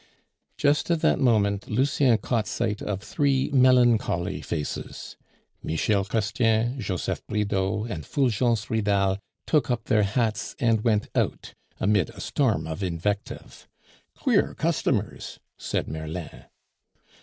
Just at that moment Lucien caught sight of three melancholy faces. Michel Chrestien, Joseph Bridau, and Fulgence Ridal took up their hats and went out amid a storm of invective. "Queer customers!" said Merlin.